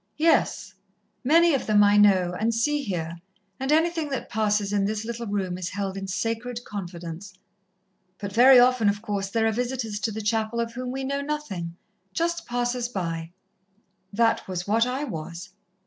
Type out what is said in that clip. "Yes. Many of them I know, and see here, and anything that passes in this little room is held in sacred confidence. But very often, of course, there are visitors to the chapel of whom we know nothing just passers by." "That was what I was."